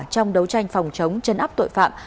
trong đấu tranh phòng chống chấn áp tội phạm